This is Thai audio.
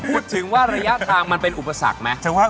พูดถึงว่าระยะทางมันเป็นอุปสรรคไหม